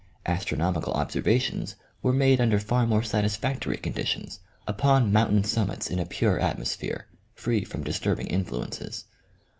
Astronomical observations were made under far more satisfactory con ditions upon mountain summits in a pure atmosphere, free from disturbing influences.